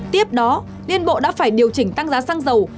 tiếp đó liên bộ đã phải điều chỉnh tăng giá xăng dầu